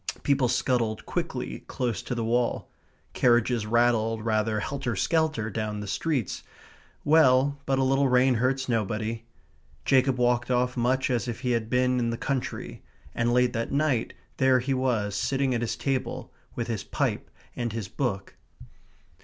People scuttled quickly close to the wall; carriages rattled rather helter skelter down the streets. Well, but a little rain hurts nobody. Jacob walked off much as if he had been in the country; and late that night there he was sitting at his table with his pipe and his book.